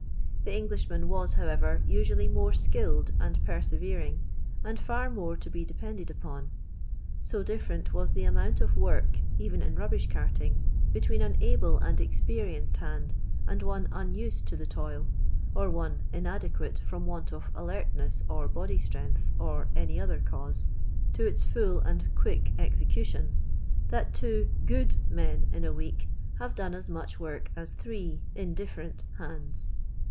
The Englishmaji was, how ever, uiually more skilled and persevprin,', and far mure ti be depended upon. So different was the amount of work, even in rubbish carting, between an able and cx}K>rienced hand and one unused to the toil, or one inadequate from want nf alertness or bodily strength, or any ,other cans.*, to its fall find quick execution, that two "good" men in a week have done as much work as throe inliir rent hand*.